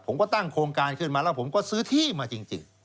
ผมก็ตั้งโครงการขึ้นมาแล้วผมก็ซื้อที่มาจริง